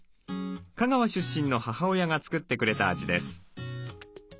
香川出身の母親が作ってくれた味です。